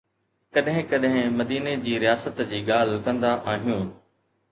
ڪڏهن ڪڏهن مديني جي رياست جي ڳالهه ڪندا آهيون.